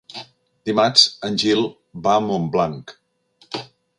Dimarts en Gil va a Montblanc.